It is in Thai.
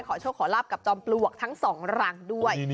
ขอโชคขอรับกับจอมปลวกทั้งสองรังด้วย